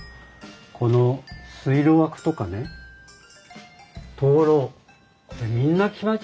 この水路枠とかね灯籠これみんな来待石で出来てるんですよ。